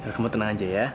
kamu tenang aja ya